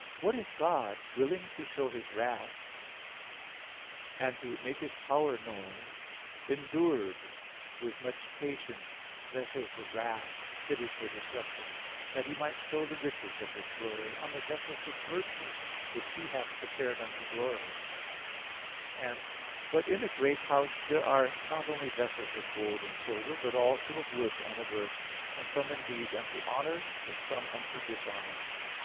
9:22, 23): "What if God, willing to show His wrath [that is, the vengeance of His justice], and to make His power known, endured [that is, permitted] with much patience vessels of wrath, fitted for destruction; that He might show the riches of His glory on the vessels of mercy, which He hath prepared unto glory" and (2 Tim. 2:20): "But in a great house there are not only vessels of gold and silver; but also of wood and of earth; and some, indeed, unto honor, but some unto dishonor."